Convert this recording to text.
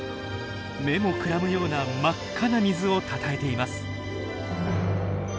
目もくらむような真っ赤な水をたたえています。